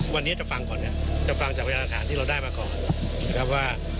วันนี้จะฟังก่อนเนี่ยจะฟังจากพยานฐานที่เราได้มาก่อนนะครับว่า